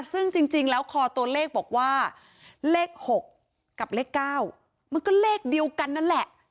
ซึ่งจริงแล้วคอตัวเลขบอกว่าเลข๖กับเลข๙มันก็เลขเดียวกันนั่นแหละ